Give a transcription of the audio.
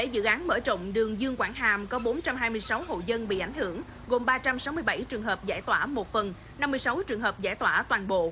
và năm mươi sáu trường hợp giải tỏa toàn bộ